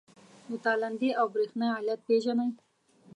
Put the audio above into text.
د تالندې او برېښنا علت پیژنئ؟